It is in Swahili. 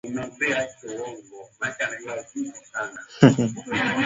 Magazeti ya asubuhi yanapoteza mzunguko kulingana na ripoti kutoka majarida wenyewe